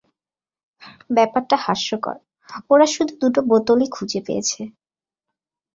ব্যাপারটা হাস্যকর, ওরা শুধু দুটো বোতলই খুঁজে পেয়েছে।